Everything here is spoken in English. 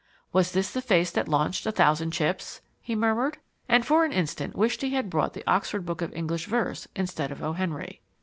"Was this the face that launched a thousand chips?" he murmured, and for an instant wished he had brought The Oxford Book of English Verse instead of O. Henry.